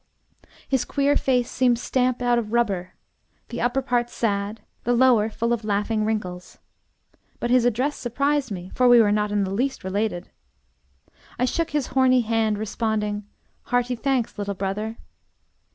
His queer face seemed stamped out of rubber, the upper part sad, the lower full of laughing wrinkles. But his address surprised me, for we were not in the least related. I shook his horny hand, responding, "Hearty thanks, little brother."